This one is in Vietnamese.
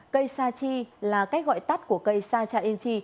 cây sa chi là cách gọi tắt của cây sa yên chi